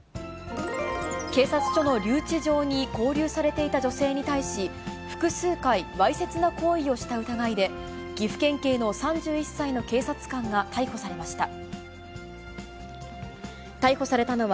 警察署の留置場に勾留されていた女性に対し、複数回、わいせつな行為をした疑いで、岐阜県警の３１歳の警察官が逮捕されました。